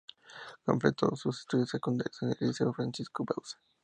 Completó sus estudios secundarios en el Liceo Francisco Bauzá.